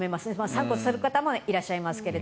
散骨する方もいらっしゃいますが。